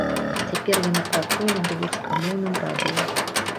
Цяпер яна працуе на беларускамоўным радыё.